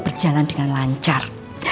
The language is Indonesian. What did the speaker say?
berjalan dengan lancar